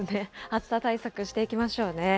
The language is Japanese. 暑さ対策していきましょうね。